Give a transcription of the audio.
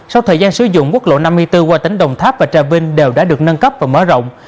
sau thời gian sử dụng quốc lộ năm mươi bốn qua tỉnh đồng tháp và trà vinh đều đã được nâng cấp và mở rộng